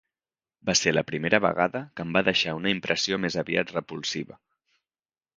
Va ser la primera vegada que em va deixar una impressió més aviat repulsiva.